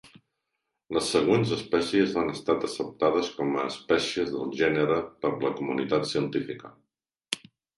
Les següents espècies han estat acceptades com a espècies del gènere per la comunitat científica.